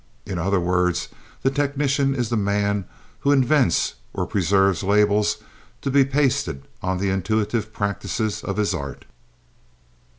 In other words, the technician is the man who invents or preserves labels to be pasted on the intuitive practices of his art.